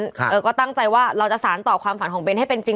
เออก็ตั้งใจว่าเราจะสารต่อความฝันของเน้นให้เป็นจริง